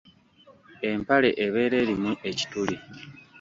Empale ebeera erimu ekituli.